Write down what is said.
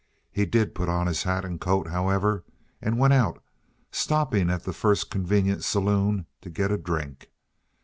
He did put on his hat and coat, however, and went out, stopping at the first convenient saloon to get a drink.